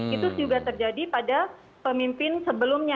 itu juga terjadi pada pemimpin sebelumnya